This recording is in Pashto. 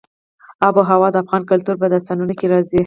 آب وهوا د افغان کلتور په داستانونو کې راځي.